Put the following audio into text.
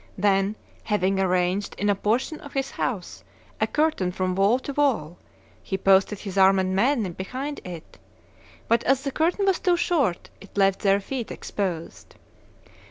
Then, having arranged, in a portion of his house, a curtain from wall to wall, he posted his armed men behind it; but, as the curtain was too short, it left their feet exposed.